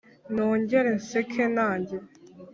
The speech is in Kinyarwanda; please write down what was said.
nongere nseke nanjye